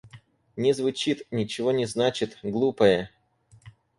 Не звучит, ничего не значит, глупое.